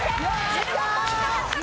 １５ポイント獲得です。